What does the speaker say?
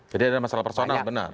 jadi ada masalah personal benar